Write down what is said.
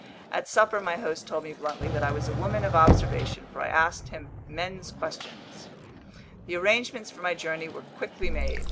At supper my host told me bluntly that I was a woman of observation, for I asked him men's questions. The arrangements for my journey were quickly made.